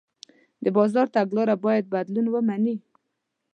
د بازار تګلاره باید بدلون ومني.